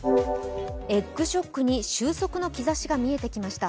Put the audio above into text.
エッグショックに収束の兆しが見えてきました。